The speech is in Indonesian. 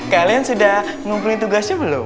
kalian sudah ngumpulin tugasnya belum